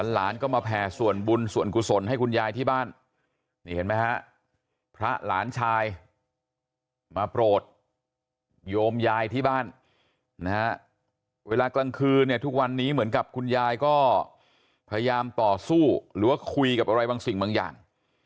หลานก็มาแผ่ส่วนบุญส่วนกุศลให้คุณยายที่บ้านนี่เห็นไหมฮะพระหลานชายมาโปรดโยมยายที่บ้านนะฮะเวลากลางคืนเนี่ยทุกวันนี้เหมือนกับคุณยายก็พยายามต่อสู้หรือว่าคุยกับอะไรบางสิ่งบางอย่าง